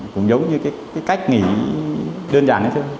cũng giống như cái cách nghĩ đơn giản hết trơn